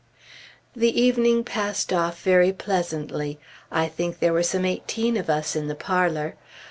The evening passed off very pleasantly; I think there were some eighteen of us in the parlor.